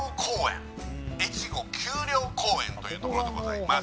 越後丘陵公園というところでございます